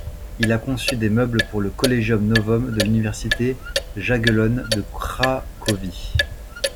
Il a conçu des meubles pour le Collegium Novum de l'université Jagellonne de Cracovie.